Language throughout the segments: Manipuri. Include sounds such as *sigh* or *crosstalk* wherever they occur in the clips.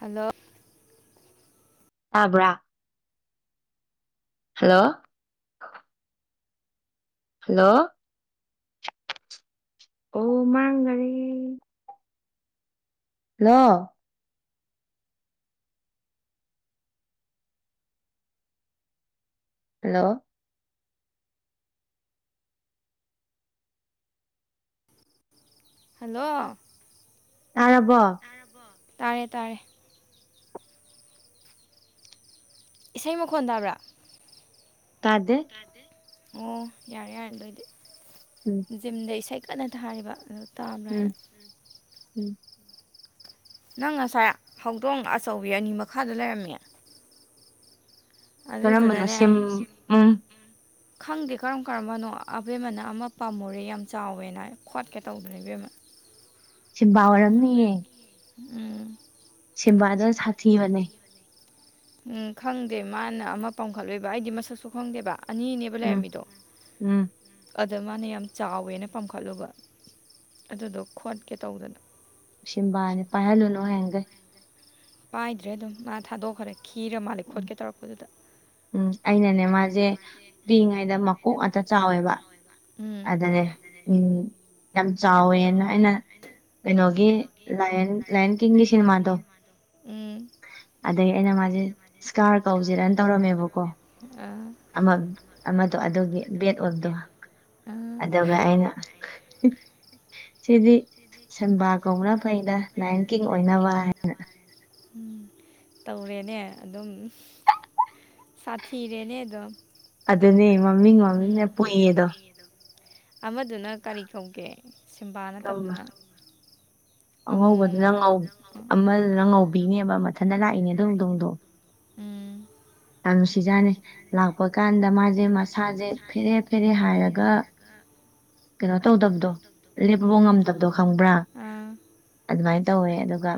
ꯍꯜꯂꯣ ꯇꯥꯕ꯭ꯔꯥ ꯍꯜꯂꯣ ꯍꯜꯂꯣ ꯑꯣ ꯃꯥꯡꯒꯔꯦ ꯍꯜꯂꯣ ꯍꯜꯂꯣ ꯍꯜꯂꯣ ꯇꯥꯔꯕꯣ ꯇꯥꯔꯕꯣ ꯇꯥꯔꯦ ꯇꯥꯔꯦ ꯏꯁꯩ ꯃꯈꯣꯟ ꯇꯥꯕ꯭ꯔꯥ ꯇꯥꯗꯦ ꯑꯣ ꯌꯥꯔꯦ ꯌꯥꯔꯦ ꯑꯗꯣꯏꯗꯤ ꯎꯝ ꯖꯤꯝꯗ ꯏꯁꯩ ꯀꯟꯅ ꯊꯥꯔꯤꯕ ꯑꯗꯨꯒꯤ ꯎꯝ ꯎꯝ ꯅꯪ ꯉꯁꯥꯏ ꯍꯧꯗꯣꯡ ꯑꯆꯧꯕꯤ ꯑꯅꯤ ꯃꯈꯥꯗ ꯂꯩꯔꯝꯃꯦ ꯀꯔꯝꯕꯅꯣ ꯁꯤꯝ ꯎꯝ ꯈꯪꯗꯦ ꯀꯔꯝ ꯀꯔꯝꯕꯅꯣ ꯑꯕꯦꯝꯃꯅ ꯑꯃ ꯄꯥꯝꯃꯨꯔꯦ ꯌꯥꯝ ꯆꯥꯎꯋꯦꯅ ꯈꯣꯠꯀꯦ ꯇꯧꯗꯅꯅꯦ ꯏꯕꯦꯝꯃ ꯁꯤꯝꯕꯥ ꯑꯣꯏꯔꯝꯅꯤꯌꯦ ꯎꯝ ꯁꯤꯝꯕꯥꯗꯣ ꯁꯥꯊꯤꯕꯅꯦ ꯎꯝ ꯈꯪꯗꯦ ꯃꯥꯅ ꯑꯃ ꯄꯥꯝꯈꯠꯂꯨꯏꯕ ꯑꯩꯗꯤ ꯃꯁꯛꯁꯨ ꯈꯪꯗꯦꯕ ꯑꯅꯤ ꯅꯦꯕ ꯂꯩꯔꯝꯃꯤꯗꯣ ꯑꯗ ꯃꯥꯅ ꯌꯥꯝ ꯆꯥꯎꯋꯦꯅ ꯄꯥꯝꯈꯠꯂꯨꯕ ꯑꯗꯨꯗꯣ ꯈꯣꯠꯀꯦ ꯇꯧꯗꯅ ꯁꯤꯝꯕꯥꯅꯤ ꯄꯥꯏꯍꯜꯂꯨꯅꯨ ꯍꯥꯌꯦꯡꯈꯩ ꯄꯥꯏꯗ꯭ꯔꯦ ꯑꯗꯨꯝ ꯃꯥ ꯊꯥꯗꯣꯛꯈ꯭ꯔꯦ ꯈꯤꯔ ꯃꯥꯜꯂꯦ ꯈꯣꯠꯀꯦ ꯇꯧꯔꯛꯄꯗꯨꯗ ꯎꯝ ꯑꯩꯅꯅꯦ ꯃꯥꯁꯦ ꯄꯤꯛꯏꯉꯩꯗ ꯃꯀꯣꯛ ꯉꯥꯛꯇ ꯆꯥꯎꯋꯦꯕ ꯑꯗꯅꯦ ꯎꯝ ꯌꯥꯝ ꯆꯥꯎꯋꯦꯅ ꯑꯩꯅ ꯀꯩꯅꯣꯒꯤ ꯂꯥꯏꯟ ꯂꯥꯏꯟ ꯀꯤꯡꯒꯤ ꯁꯤꯅꯤ ꯃꯥꯗꯣ ꯎꯝ ꯑꯗꯒꯤ ꯑꯩꯅ ꯃꯥꯖꯦ ꯏꯁꯀꯥꯔ ꯀꯧꯖꯤꯔꯅ ꯇꯧꯔꯝꯃꯦꯕꯀꯣ ꯑꯥ ꯑꯃꯥ ꯑꯃꯗꯣ ꯑꯗꯨꯒꯤ ꯕꯦꯠ ꯑꯣꯏꯕꯗꯣ ꯑꯗꯨꯒ ꯑꯩꯅ ꯍꯤ ꯁꯤꯗꯤ ꯁꯤꯝꯕꯥ ꯀꯧꯕꯧꯅ ꯐꯩꯩꯗ ꯂꯥꯏꯑꯣꯟ ꯀꯤꯡ ꯑꯣꯏꯅꯕ ꯍꯥꯏꯅ ꯎꯝ ꯇꯧꯔꯦꯅꯦ ꯑꯗꯨꯝ ꯁꯥꯊꯤꯔꯦꯅꯦ ꯑꯗꯨꯝ ꯑꯗꯨꯅꯦ ꯃꯃꯤꯡ ꯃꯃꯤꯡꯅ ꯄꯨꯏꯌꯦꯗꯣ ꯑꯃꯗꯨꯅ ꯀꯔꯤ ꯀꯧꯒꯦ ꯁꯤꯝꯕꯥ ꯅꯠꯇꯕꯗꯨꯅ ꯑꯃꯣꯝ ꯑꯃꯗꯨꯅ ꯉꯧꯕꯤꯅꯦꯕ ꯃꯊꯟꯗ ꯂꯥꯛꯏꯅꯦ ꯑꯗꯨ ꯍꯧꯗꯣꯡꯗꯣ ꯎꯝ ꯌꯥꯝ ꯅꯨꯡꯁꯤꯖꯥꯠꯅꯤ ꯂꯥꯛꯄ ꯀꯥꯟꯗ ꯃꯥꯖꯦ ꯃꯁꯥꯖꯦ ꯐꯦꯔꯦ ꯐꯦꯔꯦ ꯍꯥꯏꯔꯒ ꯀꯩꯅꯣ ꯇꯧꯗꯕꯗꯣ ꯂꯦꯞꯄꯕꯧ ꯉꯝꯗꯕꯗꯣ ꯈꯪꯕ꯭ꯔꯥ ꯑꯗꯨꯃꯥꯏꯅ ꯇꯧꯋꯦ ꯑꯗꯨꯒ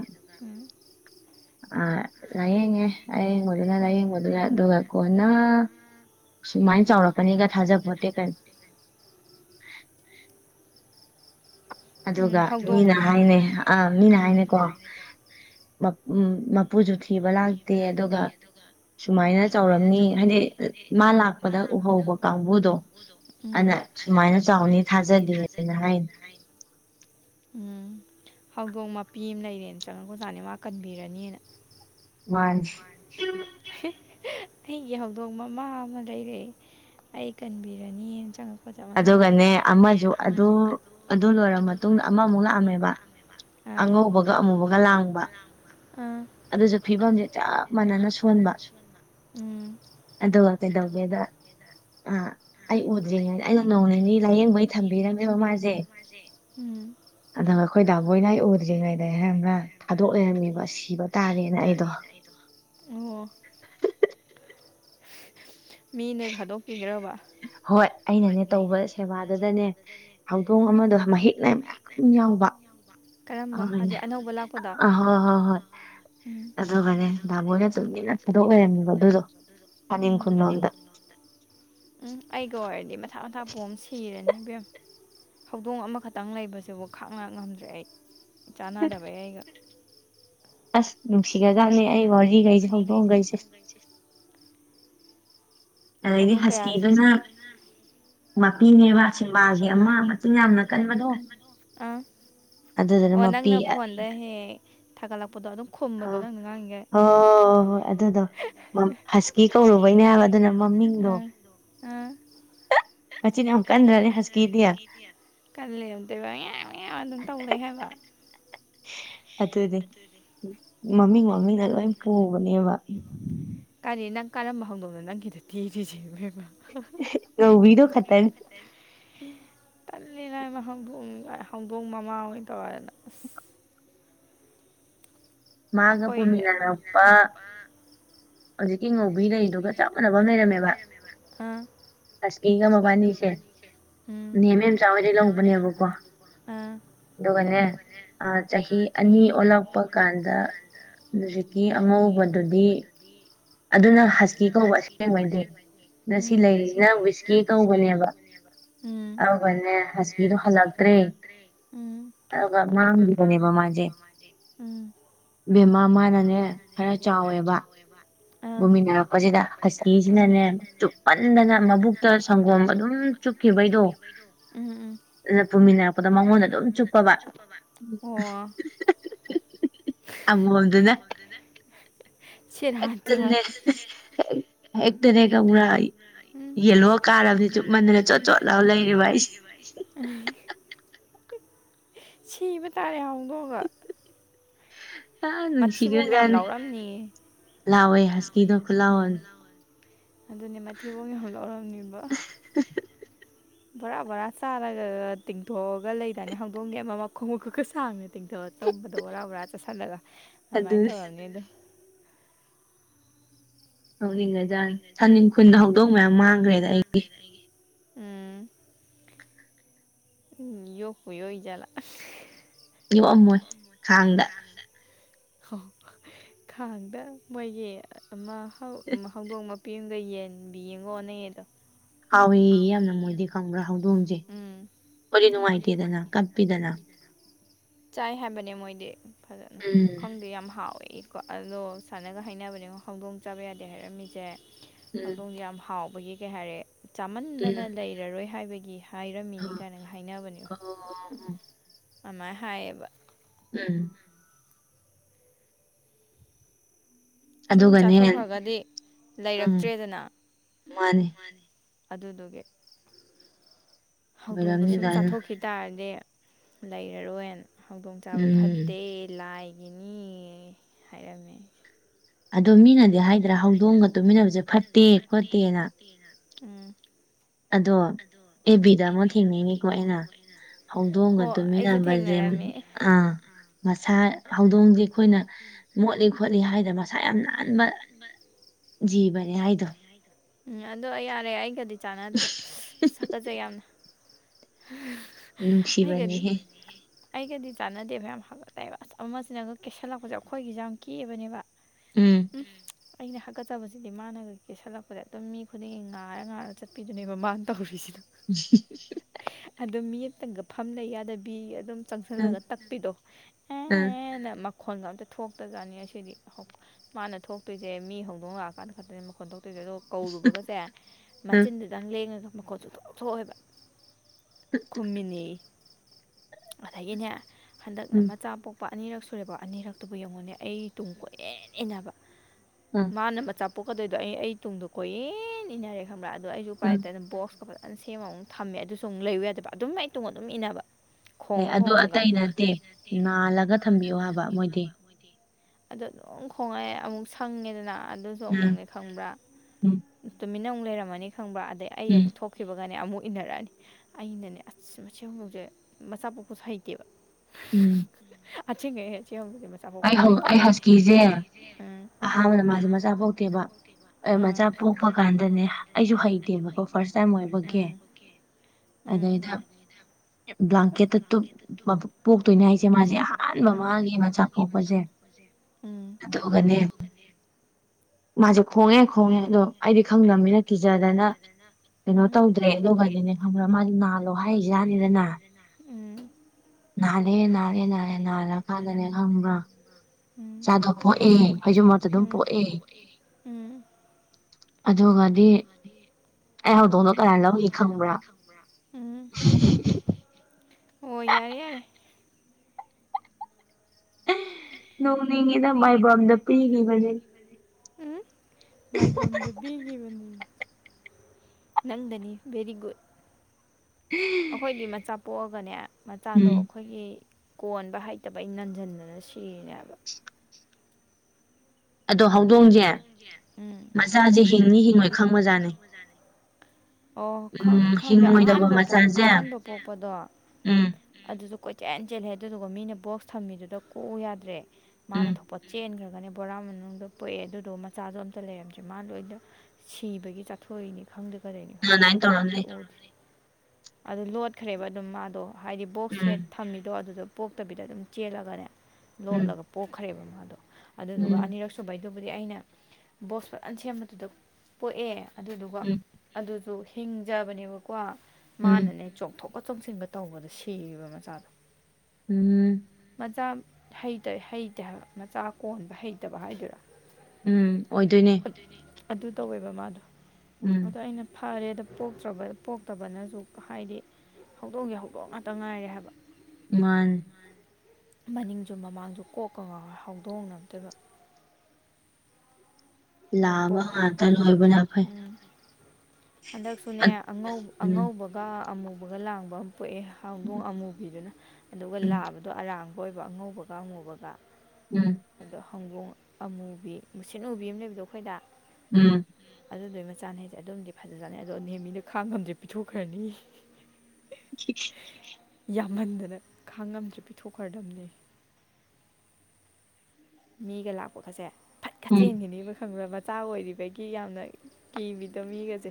ꯑꯥ ꯂꯥꯏꯌꯦꯡꯉꯦ ꯂꯥꯏꯌꯦꯡꯕꯗꯨꯅ ꯂꯥꯏꯌꯦꯡꯕꯗꯨꯅ ꯑꯗꯨꯒ ꯀꯣꯟꯅ ꯁꯨꯃꯥꯏꯅ ꯆꯥꯎꯔꯛꯀꯅꯦꯒ ꯊꯥꯖꯄꯣꯠꯇꯦ ꯀꯩꯅꯣ ꯑꯗꯨꯒ ꯃꯤꯅ ꯍꯥꯏꯅꯦ ꯑ ꯃꯤꯅ ꯍꯥꯏꯅꯦꯀꯣ ꯃꯥ ꯎꯝ ꯃꯄꯨꯖꯨ ꯊꯤꯕ ꯂꯥꯛꯇꯦ ꯑꯗꯨꯒ ꯁꯨꯃꯥꯏꯅ ꯆꯥꯎꯔꯝꯅꯤ ꯍꯥꯏꯗꯤ ꯑꯥ ꯃꯥ ꯂꯥꯛꯄꯗ ꯎꯍꯧꯕ ꯀꯥꯡꯕꯨꯗꯣ ꯑꯗꯨꯅ ꯁꯨꯃꯥꯏꯅ ꯆꯥꯎꯅꯤ ꯊꯥꯖꯗꯦꯌꯦꯅ ꯍꯥꯏꯅꯦ ꯍꯧꯗꯣꯡ ꯃꯄꯤ ꯑꯃ ꯂꯩꯔꯦꯅ ꯆꯪꯉꯛꯄꯖꯥꯠꯅꯤ ꯃꯥ ꯀꯟꯕꯤꯔꯅꯦꯅ ꯃꯥꯥꯅꯤ ꯍꯤ ꯑꯩꯒꯤ ꯍꯧꯗꯣꯡ ꯃꯃꯥ ꯑꯃ ꯂꯩꯔꯦꯅ ꯑꯩ ꯀꯟꯕꯤꯔꯅꯤꯅ ꯆꯪꯉꯛ ꯑꯗꯨꯒꯅꯦ ꯑꯃꯖꯨ ꯑꯗꯨ ꯑꯗꯨ ꯂꯣꯏꯔꯕ ꯃꯇꯨꯡꯗ ꯑꯃꯃꯨꯛ ꯂꯥꯛꯑꯝꯃꯦꯕ ꯑꯉꯧꯕꯒ ꯑꯃꯨꯕꯒ ꯂꯥꯡꯕ ꯑꯗꯨꯖꯨ ꯐꯤꯕꯝꯖꯦ ꯆꯞ ꯃꯥꯟꯅꯅ ꯁꯣꯟꯕ ꯑꯗꯨꯒ ꯀꯩꯗꯧꯒꯦꯗ ꯑꯥ ꯑꯩ ꯎꯗ꯭ꯔꯤꯉꯩꯗ ꯑꯩꯅ ꯅꯣꯡ ꯅꯤꯅꯤ ꯂꯥꯏꯌꯦꯡꯕꯩ ꯊꯝꯕꯤꯔꯝꯃꯦꯕ ꯃꯥꯥꯖꯦ ꯎꯨꯝ ꯑꯗꯨꯒ ꯑꯩꯈꯣꯏ ꯗꯥꯕꯣꯏꯅ ꯑꯩ ꯎꯗ꯭ꯔꯤꯉꯩꯗꯅꯦ ꯈꯪꯕ꯭ꯔꯥ ꯊꯥꯗꯣꯛ ꯂꯩꯔꯝꯃꯤꯕ ꯁꯤꯕ ꯇꯥꯔꯦꯅ ꯑꯩꯗꯣ ꯑꯣ ꯃꯤꯅ ꯊꯥꯗꯣꯛꯄꯤꯒ꯭ꯔꯕꯥ ꯍꯣꯏ ꯑꯩꯅꯅꯦ ꯇꯧꯕ ꯁꯦꯕꯥꯗꯨꯗꯅꯦ ꯍꯧꯗꯣꯡ ꯑꯃꯗꯣ ꯃꯍꯤꯛꯅ ꯃꯌꯥꯝ ꯌꯥꯎꯕ ꯑꯥꯍꯣꯏꯅꯦ ꯑꯥ ꯍꯣꯏ ꯍꯣꯏ ꯍꯣꯏ ꯑꯗꯨꯒꯅꯦ ꯗꯥꯕꯣꯏꯅ ꯇꯨꯃꯤꯟꯅ ꯊꯥꯗꯣꯛ ꯂꯩꯔꯝꯃꯤꯕ ꯑꯗꯨꯗꯣ ꯃꯅꯤꯡ ꯈꯨꯟꯂꯣꯝꯗ ꯎꯝ ꯑꯩꯒ ꯑꯣꯏꯔꯗꯤ ꯃꯊꯥ ꯃꯊꯥ ꯄꯣꯝ ꯁꯤꯔꯅꯤ ꯏꯕꯦꯝꯃꯥ ꯍꯧꯗꯣꯡ ꯑꯃꯈꯛꯇꯪ ꯂꯩꯕꯖꯤꯕꯧ ꯈꯥꯡ ꯂꯥꯛ ꯉꯝꯗ꯭ꯔꯦ ꯑꯩ ꯆꯥꯟꯅꯗꯕꯩ ꯑꯩꯒ ꯑꯁ ꯅꯨꯡꯁꯤꯒ꯭ꯔꯖꯥꯠꯅꯦ ꯑꯩ ꯋꯥꯔꯤꯒꯩꯖꯦ ꯍꯧꯗꯣꯡꯒꯩꯁꯦ ꯑꯗꯩꯒꯤ ꯍꯁꯀꯤꯗꯨꯅ ꯃꯄꯤꯅꯦꯕꯥ ꯅꯦꯕ ꯁꯤꯝꯃꯥꯒꯤ ꯑꯃ ꯃꯇꯤꯡ ꯌꯥꯝꯅ ꯀꯟꯕꯗꯣ ꯑꯥ ꯑꯣ ꯅꯪꯅ ꯐꯣꯟꯗ ꯍꯦꯛ ꯍꯦꯛ ꯊꯥꯒꯠꯂꯛꯄꯗꯣ ꯑꯗꯨꯝ ꯈꯨꯝꯕꯗꯣ ꯅꯪꯅ ꯉꯥꯡꯉꯤꯒꯩ ꯑꯣ ꯍꯣꯏ ꯑꯗꯨꯗꯣ ꯃꯥ ꯍꯁꯀꯤ ꯀꯧꯔꯨꯕꯩꯅꯦ ꯍꯥꯏꯕ ꯑꯗꯨꯅ ꯃꯃꯤꯡꯗꯣ ꯑꯥ ꯃꯆꯤꯟ ꯌꯥꯝ ꯀꯟꯗ꯭ꯔꯅꯦ ꯍꯁꯀꯤꯗꯤ ꯀꯜꯂꯦꯕ ꯑꯝꯇꯣꯏꯕ ꯉꯤꯌꯥꯡ ꯉꯤꯌꯥꯡ ꯑꯗꯨꯝ ꯇꯧ ꯂꯩ ꯍꯥꯏꯕ ꯑꯗꯨꯅꯦ ꯗꯨꯅꯦ ꯎ ꯃꯃꯤꯡ ꯃꯃꯤꯡꯅ ꯂꯣꯏꯟ ꯄꯨꯕꯅꯦꯕ ꯀꯔꯤ ꯅꯪ ꯀꯔꯝꯕ ꯍꯧꯗꯣꯡꯅꯣ ꯅꯪꯒꯤꯗ ꯊꯤꯔꯤꯁꯦ ꯏꯕꯦꯝꯃ ꯑꯍꯥ ꯉꯧꯕꯤꯗꯣ ꯈꯇꯅꯤ ꯇꯜꯂꯦ ꯂꯥꯏꯃ ꯍꯪꯗꯣꯡ ꯍꯧꯗꯣꯡ ꯃꯃꯥ ꯑꯣꯏꯅ ꯇꯧꯔꯗꯅ *inaudible* ꯃꯥꯒ ꯄꯨꯃꯤꯅꯔꯛ ꯄꯥ ꯍꯧꯖꯤꯛꯀꯤ ꯉꯧꯕꯤ ꯂꯩꯩꯔꯤꯗꯨꯒ ꯆꯞ ꯃꯥꯟꯅꯕ ꯑꯃ ꯂꯩꯔꯝꯃꯦꯕ ꯑꯥ ꯑꯁꯀꯤꯒ ꯃꯕꯥꯅꯤꯁꯦ ꯅꯦ ꯃꯦꯝꯆꯥ ꯍꯣꯢꯗꯩ ꯂꯧꯕꯅꯦꯕꯀꯣ ꯑꯗꯨꯒꯅꯦ ꯑꯥ ꯆꯍꯤ ꯑꯅꯤ ꯑꯣꯜꯂꯛꯄꯀꯥꯟ ꯗ ꯍꯧꯖꯤꯛꯀꯤ ꯑꯉꯧꯕꯗꯨꯗꯤ ꯑꯗꯨꯅ ꯍꯁ ꯀꯤ ꯀꯧꯕ ꯑꯁꯦꯡꯕꯩꯗꯤ ꯗ ꯁꯤ ꯂꯩꯔꯤꯁꯤꯅ ꯋꯤꯁꯀꯤ ꯀꯧꯕꯅꯦꯕ ꯑꯗꯨꯒꯅꯦ ꯍꯁꯀꯤꯗꯣ ꯍꯜꯂꯛꯇ꯭ꯔꯦ ꯑꯗꯨꯒ ꯃꯥꯡꯒꯤꯕꯅꯦꯕ ꯃꯥꯖꯦ ꯕꯦꯝꯃꯥ ꯃꯥꯅꯅꯦ ꯈꯔ ꯆꯥꯎꯋꯦꯕ ꯄꯨꯃꯤꯟꯅꯔꯛ ꯄꯖꯤꯗ ꯍꯁꯀꯤꯁꯤꯅꯅꯦ ꯆꯨꯞꯃꯟꯗꯅ ꯃꯕꯨꯛꯇ ꯁꯪꯒꯣꯝ ꯑꯗꯨꯝ ꯆꯨꯞꯈꯤꯕꯩꯗꯣ ꯎꯨꯝ ꯎꯨꯝ ꯑꯗꯨꯅ ꯄꯨꯃꯤꯟꯅꯔꯛꯄꯗ ꯃꯉꯣꯟꯗ ꯑꯗꯨꯝ ꯆꯨꯞꯄꯕ ꯍꯥ ꯍꯥ ꯍꯥ ꯍ ꯍ ꯑꯃꯣꯝꯗꯨꯅ *unintelligible* ꯍꯦꯛꯇꯅꯦ ꯍꯦꯛ ꯍꯦꯛꯇꯅꯦ ꯈꯪꯕ꯭ꯔꯥ ꯌꯦꯜꯂꯣ ꯀꯥꯔꯕꯅꯦ ꯆꯨꯞꯃꯟꯗꯅ ꯆꯣꯠ ꯆꯣꯠ ꯂꯥꯎꯔ ꯂꯩꯔꯤꯕ ꯍꯥꯏꯁꯦ ꯁꯤꯕ ꯇꯥꯔꯦ ꯍꯧꯗꯣꯡꯒ ꯑ ꯅꯨꯡꯁꯤꯒ꯭ꯔꯖꯥꯠꯅꯤ ꯂꯥꯎꯑꯦ ꯍꯁꯀꯤꯗꯣ ꯈꯨꯠ ꯂꯥꯎ ꯑꯝꯅꯤ ꯑꯗꯨꯅꯦ ꯃꯊꯤꯕꯣꯡ ꯌꯥꯝ ꯂꯥꯎꯔꯝꯅꯤꯕ *inaudible* ꯕꯣꯔꯥ ꯕꯣꯔꯥ ꯆꯥꯔꯒꯒ ꯇꯤꯡꯊꯣꯛꯑꯒ ꯂꯩꯗꯥꯢꯅꯦ ꯍꯪꯗꯣꯡꯒꯤ ꯑꯃ ꯃꯈꯣꯡ ꯃꯈꯣꯠꯀ ꯁꯥꯡꯅ ꯇꯤꯡꯊꯣꯛꯑ ꯇꯨꯝꯕꯗꯣ ꯕꯣꯔꯥ ꯕꯣꯔꯥ ꯆꯥꯁꯜꯂꯒ ꯑꯗꯨꯃꯥꯏꯅ ꯇꯧꯔꯅꯤ ꯑꯗꯨ ꯅꯣꯛꯅꯤꯡꯉ *unintelligible* ꯃꯥꯡꯒ꯭ꯔꯦꯅ ꯑꯩꯒꯤ ꯎꯝ ꯎꯝ ꯌꯣꯛꯄꯨ ꯌꯣꯛꯏꯖꯥꯠꯂ ꯌꯣꯛꯑꯝꯃꯣꯏ ꯈꯥꯡꯗ ꯑꯣ ꯈꯥꯡꯗ ꯃꯣꯏꯒꯤ ꯑꯃ ꯍꯧ ꯍꯧꯗꯣꯡ ꯃ ꯄꯤ ꯑꯝꯒ ꯌꯦꯟꯕꯤ ꯑꯝꯒ ꯑꯣꯟꯅꯩ ꯌꯦꯗꯣ ꯍꯥꯎꯋꯦꯌꯦ ꯌꯥꯝꯅ ꯃꯣꯏꯗꯤ ꯈꯪꯕ꯭ꯔꯥ ꯍꯧꯗꯣꯡꯖꯦ ꯈꯣꯢꯗꯤ ꯅꯨꯡꯉꯥꯏꯇꯦꯗꯅ ꯀꯞꯄꯤꯗꯅ ꯆꯥꯏ ꯍꯥꯏꯕꯅꯦ ꯃꯣꯏꯗꯤ ꯐꯖꯅ ꯈꯪꯗꯦ ꯌꯥꯝ ꯍꯥꯎꯋꯦ ꯀꯣ ꯑꯗꯣ ꯁꯥꯟꯅꯒ ꯍꯥꯏꯅꯕꯅꯦꯉꯣ ꯍꯧꯗꯣꯡ ꯆꯥꯕ ꯌꯥꯗꯦ ꯍꯥꯏꯔꯝꯃꯤꯖꯦ ꯍꯧꯗꯣꯡꯖꯦ ꯌꯥꯝ ꯍꯥꯎꯕꯒꯤ ꯀꯩ ꯍꯥꯏꯔꯦ ꯆꯥꯃꯟꯗꯅ ꯂꯩꯔꯔꯣꯏ ꯍꯥꯏꯕꯒꯤ ꯍꯥꯏꯔꯝꯃꯤꯅꯤ ꯀꯥꯏꯅꯒ ꯍꯥꯏꯅꯕꯅꯦ ꯑꯣ ꯎꯝ ꯑꯃꯥꯏ ꯍꯥꯏꯌꯦꯕ ꯎꯝ ꯁꯨꯝ ꯆꯥꯊꯣꯛꯈ꯭ꯔꯒꯗꯤ ꯂꯩꯔꯛꯇ꯭ꯔꯦꯗꯅ ꯃꯥꯅꯤ ꯃꯥꯅꯤ ꯑꯗꯨꯗꯨꯒꯤ ꯍꯧꯗꯣꯡꯗꯣ ꯁꯨꯝ ꯆꯥꯊꯣꯛꯈꯤ ꯇꯥꯔꯗꯤ ꯂꯩꯔꯔꯣꯏꯌꯦꯅ ꯍꯧꯗꯣꯡ ꯆꯥꯕ ꯐꯠꯇꯦ ꯂꯥꯏꯒꯤꯅꯤ ꯍꯥꯏꯔꯝꯃꯦ ꯑꯗꯣ ꯃꯤꯅꯗꯤ ꯍꯥꯏꯗ꯭ꯔꯥ ꯍꯧꯗꯣꯡꯒ ꯇꯨꯝꯃꯤꯟꯅꯕꯖꯦ ꯐꯠꯇꯦ ꯈꯣꯠꯇꯦꯅ ꯇꯦꯅ ꯎꯝ ꯑꯗꯣ ꯑꯦꯕꯤꯗ ꯑꯃ ꯊꯦꯡꯅꯩꯅꯤꯀꯣ ꯑꯩꯅ ꯍꯧꯗꯣꯡꯒ ꯇꯨꯃꯤꯟꯅꯕꯖꯦ ꯑꯥ ꯃꯁꯥ ꯍꯧꯗꯣꯡꯖꯦ ꯈꯣꯏꯅ ꯃꯣꯠꯂꯤ ꯈꯣꯠꯂꯤ ꯍꯥꯏꯗ ꯃꯁꯥ ꯌꯥꯝ ꯅꯥꯟꯕ ꯖꯤꯕꯅꯦ ꯍꯥꯢꯗꯣ ꯎꯝ ꯑꯗꯣ ꯌꯥꯔꯦ ꯑꯩꯒꯗꯤ ꯆꯥꯟꯅꯗ꯭ꯔꯦ ꯁꯥꯒꯠꯖꯩ ꯌꯥꯝꯅ ꯑꯩꯒꯗꯤ ꯅꯨꯡꯁꯤꯕꯅꯤꯍꯦ ꯑꯩꯒꯗꯤ ꯆꯥꯟꯅꯗꯦꯕ ꯃꯌꯥꯝ ꯍꯥꯒꯠꯂꯦꯕ ꯑꯁ ꯑꯃꯁꯤꯅꯒ ꯀꯦꯁꯜꯂꯛꯄꯁꯦ ꯑꯈꯣꯏꯒꯤꯖꯦ ꯌꯥꯝ ꯀꯦꯕꯅꯦꯕ ꯎꯝ ꯎꯝ ꯑꯩꯅ ꯍꯥꯒꯠꯆꯕꯁꯤ ꯁꯤꯗꯤ ꯃꯥꯅꯒ ꯀꯦꯁꯜꯂꯛꯄꯖꯦ ꯑꯗꯨꯝ ꯃꯤ ꯈꯨꯗꯤꯡ ꯉꯥꯔ ꯉꯥꯔ ꯆꯠꯄꯤꯗꯨꯅꯦꯕ ꯃꯥꯅ ꯇꯧꯔꯤꯖꯤꯅ *unintelligible* ꯑꯗꯨꯝ ꯃꯤ ꯑꯃꯇꯪꯒ ꯐꯝ ꯂꯩ ꯌꯥꯗꯕꯤ ꯑꯗꯨꯝ ꯆꯪꯁꯜꯂꯒ ꯇꯛꯄꯤꯗꯣ ꯑꯦ ꯅ ꯈꯣꯟꯒ ꯑꯝꯇ ꯊꯣꯛꯇꯖꯥꯠꯅꯤ ꯑꯁꯤꯗꯤ ꯃꯥꯅ ꯊꯣꯛꯇꯣꯏꯖꯦ ꯃꯤ ꯍꯧꯗꯣꯡ ꯂꯥꯛ ꯀꯥꯟꯗ ꯈꯛꯇꯅꯦ ꯃꯈꯣꯟ ꯊꯣꯛꯇꯣꯏꯖꯦ ꯑꯗꯨ ꯀꯧꯔꯨꯕꯒꯖꯦ ꯃꯆꯤꯟꯗꯨ ꯈꯤꯇꯪ ꯂꯦꯡꯉꯒ ꯃꯈꯣꯟ ꯁꯨꯊꯣꯛ ꯊꯣꯛꯑꯣꯢꯕ ꯈꯨꯝꯃꯤꯅꯦꯌꯦ ꯑꯗꯩꯒꯤꯅꯦ ꯍꯟꯗꯛꯅ ꯃꯆꯥ ꯄꯣꯛ ꯄꯥ ꯑꯅꯤꯔꯛ ꯁꯨꯔꯦꯕꯣ ꯑꯅꯤꯔꯛꯇꯨꯕꯨ ꯌꯦꯡꯉꯨꯅꯦ ꯑꯩ ꯇꯨꯡ ꯀꯣꯏ ꯏꯟ ꯏꯟꯅꯕ ꯃꯥꯅ ꯃꯆꯥ ꯄꯣꯛꯀꯗꯣꯏꯗꯣ ꯑꯩ ꯑꯩ ꯇꯨꯡꯗꯣ ꯀꯣꯏꯌꯤꯟ ꯏꯅꯔꯦ ꯈꯪꯕ꯭ꯔꯥ ꯑꯗꯣ ꯑꯩꯖꯨ ꯎꯄꯥꯏ ꯂꯩꯇ ꯕꯣꯛꯁ ꯀ ꯐꯖꯟ ꯁꯦꯝꯃ ꯑꯃꯨꯛ ꯊꯝꯃꯦ ꯑꯗꯨꯁꯨ ꯑꯃꯨꯛ ꯂꯩꯌꯨ ꯌꯥꯗꯕ ꯑꯗꯨꯝ ꯑꯩ ꯇꯨꯡ ꯑꯗꯨꯝ ꯏꯟꯅꯕ ꯑꯦ ꯑꯗꯨ ꯑꯇꯩ ꯅꯠꯇꯦ ꯅꯥꯜꯂꯒ ꯊꯝꯕꯤꯌꯣ ꯍꯥꯏꯕ ꯃꯣꯏꯗꯤ ꯑꯗꯨ ꯑꯗꯨꯝ ꯈꯣꯡ ꯂꯩ ꯑꯃꯨꯛ ꯁꯪꯉꯦꯗꯅ ꯑꯗꯨꯁꯨ ꯑꯃꯨꯛꯅꯦ ꯈꯪꯕ꯭ꯔꯥ ꯇꯨꯃꯤꯟꯅ ꯑꯃꯨꯛ ꯂꯩꯔꯝꯃꯅꯤ ꯈꯪꯕ꯭ꯔꯥ ꯑꯗꯩ ꯑꯩ ꯑꯃꯨꯛ ꯊꯣꯛ ꯈꯤꯕꯒꯅꯦ ꯑꯃꯨꯛ ꯏꯟꯅꯔꯛꯑꯅꯤ ꯑꯩꯅꯅꯦ ꯑꯁ ꯃꯁꯤ ꯍꯧꯗꯣꯡꯁꯦ ꯃꯆꯥ ꯄꯣꯛꯄꯁꯨ ꯍꯩꯇꯦꯕ ꯎꯝ ꯑꯁꯦꯡꯀꯩ ꯑꯁꯤ ꯍꯧꯗꯣꯡꯁꯦ ꯃꯆꯥ ꯄꯣꯛꯄꯁꯨ ꯍꯩꯇꯦ ꯑꯩ ꯑꯍꯥꯟꯕꯗ ꯃꯥꯖꯦ ꯃꯆꯥ ꯄꯣꯛꯇꯦꯕ ꯑꯦ ꯃꯆꯥ ꯄꯣꯛ ꯄ ꯀꯥꯟꯗꯅꯦ ꯑꯩꯁꯨ ꯍꯩꯇꯦꯕꯀꯣ ꯐ꯭ꯔꯁ ꯇꯥꯏꯝ ꯑꯣꯏꯕꯒꯤ ꯑꯗꯩꯗ ꯕ꯭ꯂꯥꯡꯀꯦꯠꯇ ꯇꯨꯝ ꯃꯕ ꯄꯣꯛꯇꯣꯏꯅꯦ ꯍꯥꯏꯁꯦ ꯃꯥꯁꯦ ꯑꯍꯥꯟꯕ ꯃꯥꯡꯒꯤ ꯃꯆꯥ ꯄꯣꯛꯄꯖꯦ ꯑꯗꯨꯒꯅꯦ ꯃꯥꯖꯦ ꯈꯣꯡꯉꯦ ꯈꯣꯡꯉꯦ ꯑꯗꯣ ꯑꯩꯗꯤ ꯈꯪꯗꯝꯅꯤꯅ ꯀꯤꯖꯗꯅ ꯀꯩꯅꯣ ꯇꯧꯗ꯭ꯔꯦ ꯑꯗꯨꯒꯗꯤꯅꯦ ꯈꯪꯕ꯭ꯔꯥ ꯃꯥꯗꯤ ꯅꯥꯜꯂꯣ ꯍꯥꯏꯔꯤꯖꯥꯠꯅꯤꯗꯅ ꯎꯝ ꯅꯥꯜꯂꯦ ꯅꯥꯜꯂꯦ ꯅꯥꯜꯂꯦ ꯅꯥꯜꯂ ꯀꯥꯟꯗꯅꯦ ꯈꯪꯕ꯭ꯔꯥ ꯆꯥꯗꯣ ꯄꯣꯛꯑꯦ ꯐꯩꯖꯨꯞ ꯃꯔꯛꯇ ꯑꯗꯨꯝ ꯄꯣꯛꯑꯦ ꯑꯗꯨꯒꯗꯤ ꯑꯩ ꯍꯧꯗꯣꯡꯗꯣ ꯀꯅꯥ ꯂꯧꯒꯤ ꯈꯪꯕ꯭ꯔꯥ *unintelligible* ꯍꯣ ꯌꯥꯔꯦ ꯌꯥꯔꯦ ꯅꯣꯛꯅꯤꯡꯉꯤꯗ ꯃꯥꯏꯕꯝꯗ ꯄꯤꯒꯤꯕꯅꯦ ꯎꯝ ꯃꯥꯏꯕꯝꯗ ꯄꯤꯒꯤꯕꯅꯦꯌꯦ ꯅꯪꯗꯅꯤ ꯕꯦꯔꯤ ꯒꯨꯗ ꯑꯈꯣꯏꯗꯤ ꯃꯆꯥ ꯄꯣꯛꯑꯒꯅꯦ ꯃꯆꯥꯗꯣ ꯈꯣꯏꯒꯤ ꯀꯣꯟꯕ ꯍꯩꯇꯕꯩ ꯅꯟꯖꯟꯗꯅ ꯁꯤꯔꯤꯅꯦ ꯑꯗꯣ ꯍꯧꯗꯣꯡꯖꯦ ꯃꯆꯥꯖꯦ ꯍꯤꯡꯅꯤ ꯍꯤꯡꯉꯣꯏ ꯈꯪꯕꯖꯥꯠꯅꯤ ꯑꯣ ꯈꯪ ꯈꯪꯗꯦ ꯑꯍꯥꯟꯕ ꯄꯣꯛ ꯑꯍꯥꯟꯕ ꯄꯣꯛꯄꯗꯣ ꯑꯗꯨꯖꯨ ꯀꯣꯏꯆꯦꯟ ꯆꯦꯜꯂꯦ ꯑꯗꯨꯗꯨꯒ ꯃꯤꯅ ꯕꯣꯛꯁ ꯊꯝꯃꯤꯗꯨꯗ ꯀꯣꯛꯎ ꯌꯥꯗ꯭ꯔꯦ ꯃꯥꯅ ꯊꯣꯛꯄ ꯆꯦꯟꯒ꯭ꯔꯒꯅꯤ ꯕꯣꯔꯥ ꯃꯅꯨꯡꯗ ꯄꯣꯛꯑꯦ ꯑꯗꯨꯗꯣ ꯃꯆꯥꯗꯣ ꯑꯝꯇ ꯂꯩꯔꯝꯗ꯭ꯔꯦ ꯃꯥ ꯂꯣꯏꯅ ꯁꯤꯕꯒꯤ ꯆꯥꯠ ꯊꯣꯛꯏꯅꯤ ꯈꯪꯗꯦ ꯀꯩꯗꯩꯅꯤ ꯈꯪꯗꯦ ꯃꯆꯥ ꯑꯝꯇ ꯎꯗꯦ ꯑꯗꯣ ꯂꯣꯠꯈ꯭ꯔꯦꯕ ꯑꯗꯨꯝ ꯃꯥꯗꯣ ꯍꯥꯏꯗꯤ ꯕꯣꯛꯁ ꯁꯦꯠ ꯊꯝꯃꯤꯗꯣ ꯑꯗꯨꯗ ꯄꯣꯛꯇꯕꯤꯗ ꯑꯗꯨꯝ ꯆꯦꯜꯂꯒꯅꯦ ꯂꯣꯠꯂꯒ ꯄꯣꯛꯈ꯭ꯔꯦꯕ ꯃꯥꯗꯣ ꯑꯗꯨꯗꯨꯒ ꯑꯅꯤꯔꯛꯁꯨ ꯁꯨꯕꯩꯗꯨꯕꯨꯗꯤ ꯑꯩꯅ ꯕꯣꯛꯁ ꯐꯖꯅ ꯁꯦꯝꯕꯗꯨꯗ ꯄꯣꯛꯑꯦ ꯑꯗꯨꯗꯨꯒ ꯑꯗꯨꯖꯨ ꯍꯤꯡꯖꯕꯅꯦꯕꯀꯣ ꯃꯥꯅꯅꯦ ꯆꯣꯡꯊꯣꯛ ꯑꯣ ꯆꯣꯡꯁꯤꯟꯒ ꯇꯧꯕꯗ ꯁꯤꯔꯤꯕ ꯃꯆꯥꯗꯣ ꯎꯝ ꯃꯆꯥ ꯍꯩꯇ ꯍꯩꯇꯦꯍꯥꯏꯕ ꯃꯆꯥ ꯀꯣꯟꯕ ꯍꯩꯇꯕ ꯍꯥꯏꯗꯣꯏꯔ ꯎꯝ ꯑꯣꯏꯗꯨꯏꯅꯦ ꯑꯣꯏꯗꯣꯏꯅꯦ ꯑꯗꯨ ꯇꯧꯋꯦꯕ ꯃꯥꯗꯣ ꯎꯝ ꯑꯗꯣ ꯑꯩꯅ ꯐꯔꯦꯗ ꯄꯣꯛꯇ꯭ꯔꯕ ꯄꯣꯛꯇꯕꯅꯖꯨ ꯍꯥꯏꯗꯤ ꯍꯧꯗꯣꯡꯒꯤ ꯍꯧꯗꯣꯡ ꯉꯥꯛꯇ ꯉꯥꯏꯔꯦ ꯍꯥꯏꯕ ꯃꯥꯟꯅꯦ ꯃꯅꯤꯡꯖꯨ ꯃꯃꯥꯡꯖꯨ ꯀꯣꯛꯀ ꯉꯥꯎꯋꯦ ꯍꯧꯗꯣꯡꯅ ꯑꯝꯇꯣꯏꯕ ꯑꯄꯣꯛꯇ ꯎꯝ ꯍꯟꯗꯛꯁꯨꯅꯦ ꯑꯉꯧ ꯑꯉꯧꯕ ꯒ ꯑꯃꯨꯕꯒ ꯂꯥꯡꯕ ꯑꯃ ꯄꯣꯛꯑꯦ ꯍꯧꯗꯣꯡ ꯑꯃꯨꯕꯤꯗꯨꯅ ꯑꯗꯨꯒ ꯂꯥꯕ ꯗꯣ ꯑꯔꯥꯡꯕ ꯑꯣꯏꯕ ꯑꯉꯧꯕꯒ ꯑꯃꯨꯕꯒ ꯎꯝ ꯑꯗꯣ ꯍꯧꯗꯣꯡ ꯑꯃꯨꯕꯤ ꯃꯨꯁꯤꯟꯃꯨꯕꯤ ꯑꯃ ꯂꯩꯕꯗꯣ ꯑꯩꯈꯣꯏꯗ ꯎꯝ ꯑꯗꯨꯗꯨꯏ ꯃꯆꯥꯅꯦꯖꯦ ꯑꯗꯨꯝꯗꯤ ꯐꯖꯖꯥꯠꯅꯦ ꯑꯗꯣ ꯅꯦꯃꯤꯅ ꯈꯥꯡꯉꯝꯗ꯭ꯔꯦ ꯄꯤꯊꯣꯛꯈ꯭ꯔꯅꯤꯌꯦ *unintelligible* ꯌꯥꯝꯃꯟꯗꯅ ꯈꯥꯡ ꯉꯝꯗ꯭ꯔꯦ ꯄꯤꯊꯣꯛꯈ꯭ꯔꯗꯝꯅꯦ ꯃꯤꯒ ꯂꯥꯛꯄꯒꯁꯦ ꯐꯠꯀ ꯆꯦꯟꯒꯤꯅꯤꯕ ꯈꯪꯕ꯭ꯔ ꯃꯆꯥ ꯑꯣꯏꯔꯤꯕꯒꯤ ꯌꯥꯝꯅ ꯀꯤꯕꯤꯗꯣ ꯃꯤꯒꯖꯦ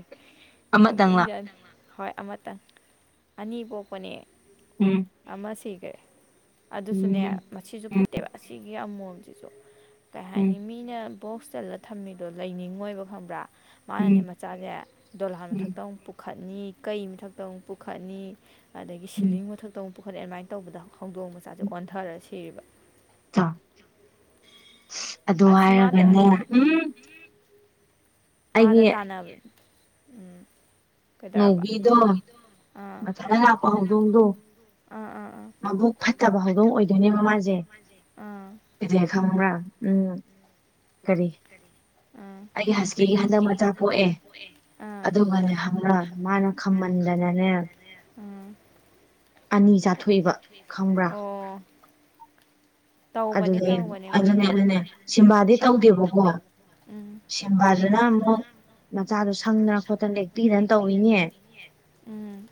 ꯅꯣꯛꯅꯤꯡꯖꯥꯠꯅꯤ ꯍꯣꯏ ꯑꯃꯇꯪ ꯑꯅꯤ ꯄꯣꯛꯄꯅꯦ ꯎꯝ ꯑꯃ ꯁꯤꯒ꯭ꯔꯦ ꯑꯗꯨꯁꯨꯅꯦ ꯃꯁꯤꯁꯨ ꯐꯠꯇꯦꯕ ꯑꯁꯤꯒꯤ ꯑꯃꯣꯝꯁꯤꯁꯨ ꯀꯩ ꯍꯥꯏꯅꯤ ꯃꯤꯅ ꯕꯣꯛꯁ ꯆꯜꯂ ꯊꯝꯃꯤꯗꯣ ꯂꯩꯅꯤꯡꯉꯣꯏꯕ ꯈꯪꯕ꯭ꯔ ꯃꯥꯅꯅꯦ ꯃꯆꯥꯖꯦ ꯗꯣꯂꯥꯟ ꯃꯊꯛꯇ ꯑꯃꯨꯛ ꯄꯨꯈꯠꯅꯤ ꯀꯩ ꯃꯊꯛꯇ ꯑꯃꯨꯛ ꯄꯨꯈꯠꯅꯤ ꯑꯗꯒꯤ ꯁꯤꯂꯤꯡ ꯃꯊꯛꯇ ꯑꯃꯨꯛ ꯄꯨꯈꯠꯅꯤ ꯑꯗꯨꯃꯥꯏꯟ ꯇꯧꯕꯗ ꯍꯧꯗꯣꯡ ꯃꯆꯥꯖꯦ ꯑꯣꯟꯊꯔ ꯁꯤꯔꯤꯕ ꯆꯥ ꯑꯗꯨ ꯍꯥꯏꯔꯒꯅꯦ ꯎꯝ ꯃꯥꯗ ꯇꯥꯟꯅꯕ ꯎꯝ ꯉꯧꯕꯤꯗꯣ ꯉꯁꯥꯏ ꯂꯥꯛꯄ ꯍꯧꯗꯣꯡꯗꯣ *unintelligible* ꯐꯠꯇꯕ ꯍꯧꯗꯣꯡ ꯑꯣꯏꯗꯣꯏꯅꯦꯕ ꯃꯥ ꯑꯥ ꯀꯩꯗꯧꯋꯦ ꯈꯪꯕ꯭ꯔ ꯎꯝ ꯀꯔꯤ ꯑꯩꯒꯤ ꯍꯁꯀꯤꯒꯤ ꯍꯟꯗꯛ ꯃꯆꯥ ꯄꯣꯛꯑꯦ ꯑꯗꯨꯒꯅꯦ ꯈꯪꯕ꯭ꯔ ꯃꯥꯅ ꯈꯝꯃꯟꯗꯅꯅꯦ ꯎꯝ ꯑꯅꯤ ꯆꯥꯊꯣꯛꯏꯕ ꯈꯪꯕ꯭ꯔ ꯑꯗꯨꯅꯦ ꯑꯗꯨꯅꯦ ꯑꯗꯨꯅꯦ ꯁꯤꯝꯕꯥꯗꯤ ꯇꯧꯗꯦꯕꯀꯣ ꯁꯤꯝꯕꯥꯗꯨꯅ ꯑꯃꯨꯛ ꯃꯆꯥꯗꯣ ꯁꯪꯗꯅ ꯈꯣꯠꯇꯅ ꯂꯦꯛꯄꯤꯗꯅ ꯇꯧꯋꯤꯅꯦ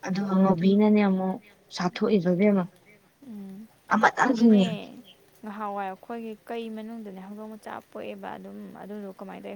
ꯑꯗꯨꯒ ꯉꯧ ꯕꯤꯅꯅꯦ ꯑꯃꯨꯛ ꯆꯥꯊꯣꯛꯏꯕ ꯏꯕꯦꯝꯃ ꯎꯝ ꯑꯗꯨꯅꯦ ꯉꯍꯥꯋꯥꯏ ꯑꯈꯣꯏꯒꯤ ꯀꯩ ꯃꯅꯨꯡꯗꯅꯦ ꯍꯧꯗꯣꯡ ꯃꯆꯥ ꯄꯣꯛꯑꯦꯕ ꯑꯗꯨꯝ ꯑꯗꯨꯗꯣ ꯀꯃꯥꯏꯅ ꯇꯧ